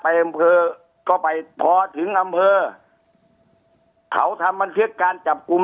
อำเภอก็ไปพอถึงอำเภอเขาทำบันทึกการจับกลุ่ม